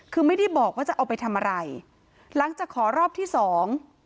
คือไม่ได้บอกว่าจะเอาไปทำอะไรหลังจากขอรอบที่สอง